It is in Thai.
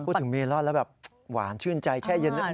เมลอนแล้วแบบหวานชื่นใจแช่เย็น